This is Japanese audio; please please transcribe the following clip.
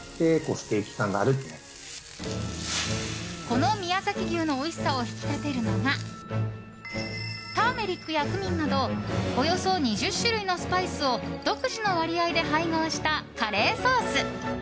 この宮崎牛のおいしさを引き立てるのがターメリックやクミンなどおよそ２０種類のスパイスを独自の割合で配合したカレーソース。